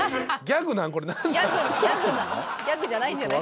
ギャグじゃないんじゃ？